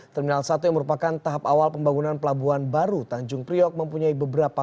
terminal satu yang merupakan tahap awal pembangunan pelabuhan baru tanjung priok mempunyai beberapa